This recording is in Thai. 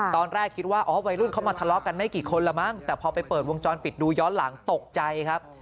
ตอนแรกคิดว่าอ๋อวัยรุ่นเขามาทะเลาะกันไม่กี่คนละมั้งแต่พอไปเปิดวงจรปิดดูย้อนหลังตกใจครับ